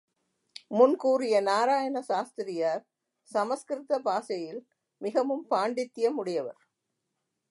முன் கூறிய நாராயண சாஸ்திரியார் சம்ஸ்கிருத பாஷையில் மிகவும் பாண்டித்ய முடையவர்.